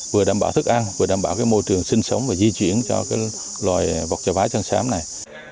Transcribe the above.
vừa đảm bảo thức ăn vừa đảm bảo môi trường sinh sống và di chuyển cho loài vọc trà vá chân sám này